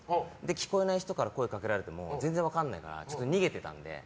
聞こえない人から声をかけられても全然、分からないから逃げてたので。